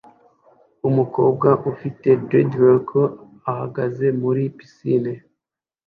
Umukobwa ufite dreadlock ahagaze muri pisine